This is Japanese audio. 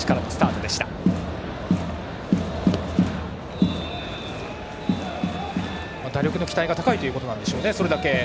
それだけ打力の期待が高いということなんでしょうね。